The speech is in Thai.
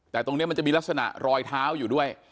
แต่มันมีรายลักษณะในรอยเท้าแนวอยู่ด้วย